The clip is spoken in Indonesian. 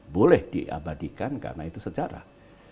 boleh diabadikan karena itu sejarah